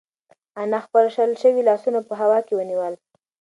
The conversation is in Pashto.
انا خپل شل شوي لاسونه په هوا کې ونیول.